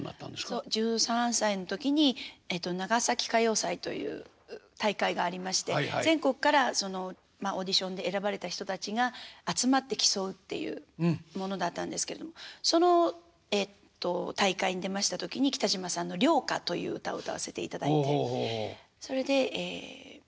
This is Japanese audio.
そう１３歳の時に長崎歌謡祭という大会がありまして全国からオーディションで選ばれた人たちが集まって競うっていうものだったんですけどその大会に出ました時に北島さんの「漁歌」という歌を歌わせていただいてそれでテイチクさんにスカウトをしていただきました。